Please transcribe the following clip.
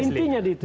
intinya di situ